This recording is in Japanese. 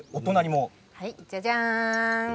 じゃじゃーん！